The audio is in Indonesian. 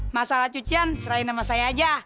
masalah cucian serahin sama saya aja